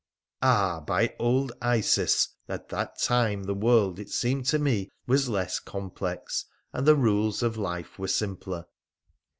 Ah ! by old Isis ! at that time the world, it seemed to me, PHRA THE PHCENICIAN 147 Was less complex, and the rules of life were simpler.